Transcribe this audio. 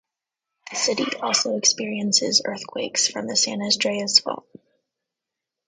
The city also experiences earthquakes from the San Andreas Fault.